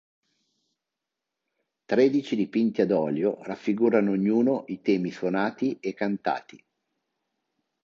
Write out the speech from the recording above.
Tredici dipinti ad olio raffigurano ognuno i temi suonati e cantati.